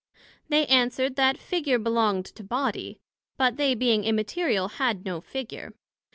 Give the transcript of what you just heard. They answered, That Figure belonged to body, but they being immaterial, had no Figure.